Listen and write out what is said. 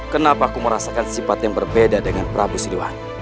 kenapa aku merasakan sifat yang berbeda dengan prabu siduan